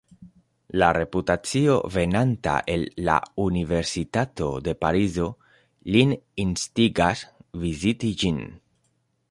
La reputacio venanta el la Universitato de Parizo lin instigas viziti ĝin.